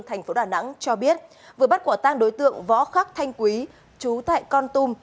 thành phố đà nẵng cho biết vừa bắt quả tang đối tượng võ khắc thanh quý chú tại con tum